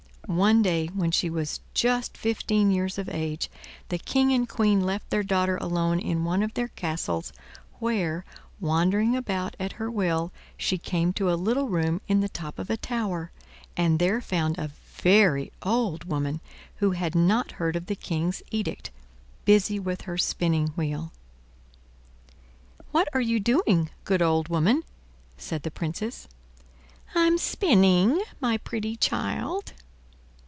One day when she was just fifteen years of age, the King and Queen left their daughter alone in one of their castles, where, wandering about at her will, she came to a little room in the top of a tower, and there found a very old woman, who had not heard of the King's edict, busy with her spinning wheel. "What are you doing, good old woman?" said the Princess. "I'm spinning my pretty child."